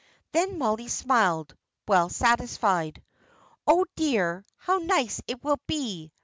Then Mollie smiled, well satisfied. "Oh, dear, how nice it will be!"